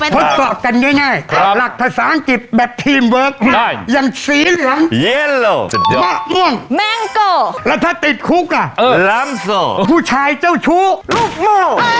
ทดสอบกันง่ายหลักภาษาอังกฤษแบบทีมเวิร์คอย่างสีเหลืองมะม่วงแมงโกแล้วถ้าติดคุกอ่ะล้ำโผู้ชายเจ้าชู้ลูกโม่